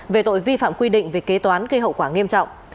về tội vi phạm quy định về kế toán gây hậu quả nghiêm trọng